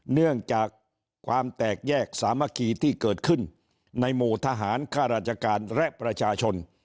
เนื่องจากความแตกแยกสามัคคีที่เกิดขึ้นในหมู่ทหารค่าราชการและประชาชน